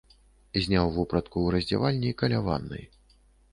Зняў вопратку ў раздзявальні каля ваннай.